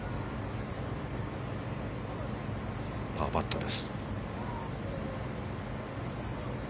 パーパットです。